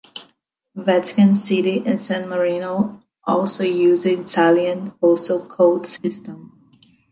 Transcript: Vatican City and San Marino also use the Italian postal code system.